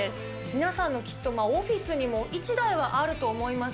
皆さんもきっと、オフィスにも１台はあると思います。